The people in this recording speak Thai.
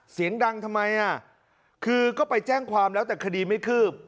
เสียงดังทำไมอ่ะคือก็ไปแจ้งความแล้วแต่คดีไม่คืบ